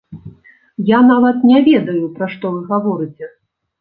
Я нават не ведаю, пра што вы гаворыце!